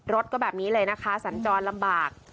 รถก็แบบนี้เลยนะคะสัญจรลำบาก